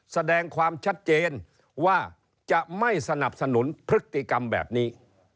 แสดงความชัดเจนว่าจะไม่สนับสนุนพฤติกรรมแบบนี้